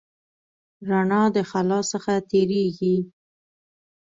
رڼا د خلا څخه تېرېږي.